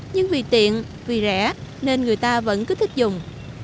nhưng vì tiện vì rẻ nên người ta vẫn cứ thích dùng